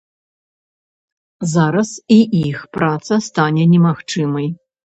Зараз і іх праца стане немагчымай.